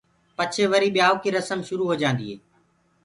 پڇي وري ٻيآئوٚ ڪيٚ رسم شُرو هوجآندي هي۔